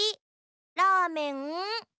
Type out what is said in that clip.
ラーメン？